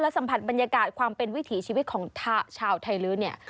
สัมผัสบรรยากาศความเป็นวิถีชีวิตของชาวไทยลื้อเนี่ย